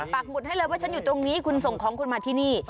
บุตรให้เลยว่าฉันอยู่ตรงนี้คุณส่งของคุณมาที่นี่